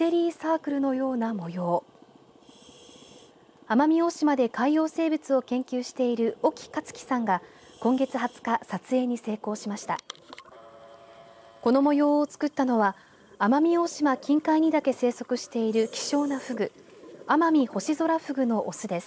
この模様を作ったのは奄美大島近海にだけ生息している希少なフグアマミホシゾラフグのオスです。